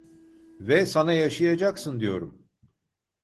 Ve sana yaşayacaksın diyorum…